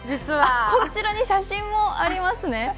こちらに写真もありますね。